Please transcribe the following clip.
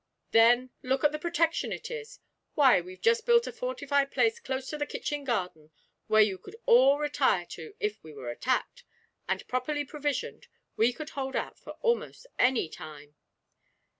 Then, look at the protection it is. Why, we've just built a fortified place close to the kitchen garden, where you could all retire to if we were attacked; and, properly provisioned, we could hold out for almost any time.'